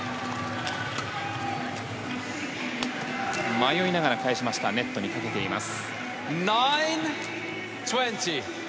迷いながら返しましたがネットにかけています。